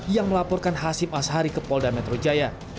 yang melaporkan hasim ashari ke polda metro jaya